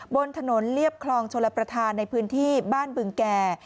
บนถนนเรียบคลองชลประธานในพื้นที่บ้านบึงแก่